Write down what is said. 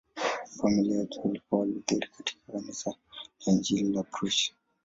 Familia yake walikuwa Walutheri katika Kanisa la Kiinjili la Prussia.